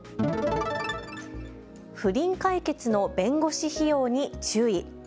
不倫解決の弁護士費用に注意。